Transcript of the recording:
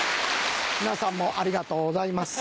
皆さんもありがとうございます。